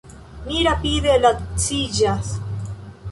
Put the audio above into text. Mi rapide laciĝas.